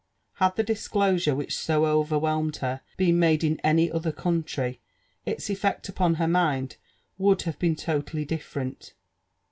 Had the disclosure which so overwhelmed her been made in any other country, its effect upon her mind would have been totally differ ent.